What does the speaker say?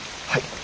はい。